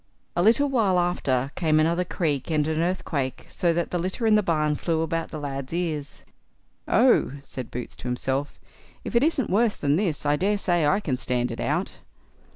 A little while after came another creak and an earthquake, so that the litter in the barn flew about the lad's ears. "Oh!" said Boots to himself, "if it isn't worse than this, I daresay I can stand it out."